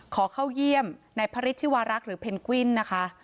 ขอเข้าเยี่ยมในพระฤทธิวารักษ์หรือเพนกวินนะคะ